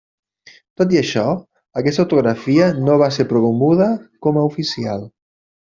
Tot i això, aquesta ortografia no va ser promoguda com a oficial.